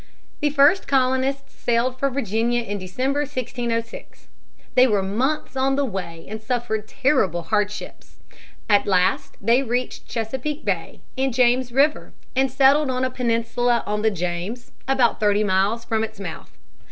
The first colonists sailed for Virginia in December, 1606. They were months on the way and suffered terrible hardships. At last they reached Chesapeake Bay and James River and settled on a peninsula on the James, about thirty miles from its mouth.